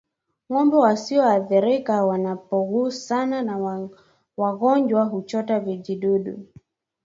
Ngombe wasioathirika wanapogusana na wagonjwa huchota vijidudu